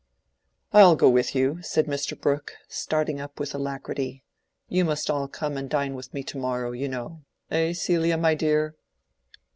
"I'll go with you," said Mr. Brooke, starting up with alacrity. "You must all come and dine with me to morrow, you know—eh, Celia, my dear?"